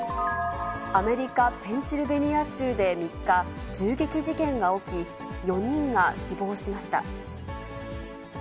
アメリカ・ペンシルベニア州で３日、銃撃事件が起き、４人が死亡しました。